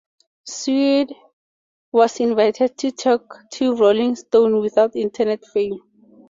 Suede was invited to talk to Rolling Stone about internet fame.